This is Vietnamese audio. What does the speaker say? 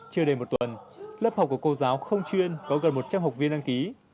chưa đầy một tuần lớp học của cô giáo không chuyên có gần một trăm linh học viên đăng ký